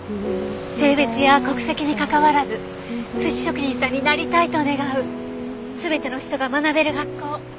性別や国籍にかかわらず寿司職人さんになりたいと願う全ての人が学べる学校。